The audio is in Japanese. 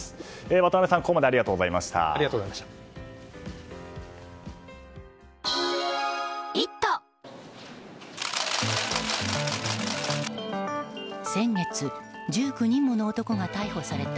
渡辺さん、ここまでありがとうございました。